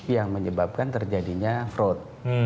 yang menyebabkan terjadinya fraud